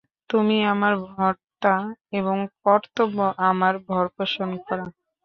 তুমি আমার ভর্তা, তোমার কর্তব্য আমার ভরণপোষণ করা।